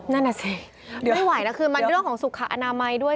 นั่นน่ะสิไม่ไหวนะคือมันเรื่องของสุขอนามัยด้วย